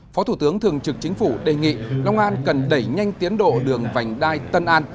phó thủ tướng thường trực chính phủ đề nghị long an cần đẩy nhanh tiến độ đường vành đai tân an